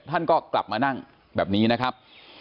ท่านก็กลับมานั่งแบบนี้นะครับ